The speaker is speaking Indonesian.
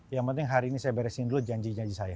yang penting hari ini saya beresin dulu janji janji saya